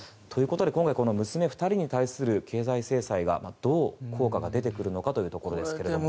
ということで今回娘２人に対する経済制裁がどう効果が出てくるのかというところですが。